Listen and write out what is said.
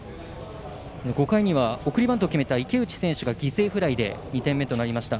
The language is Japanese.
５回には送りバントを決めた池内選手が犠牲フライで２点目となりました。